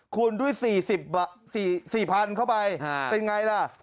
คุณด้วย๔๐๐๐เข้าไปเป็นไงล่ะ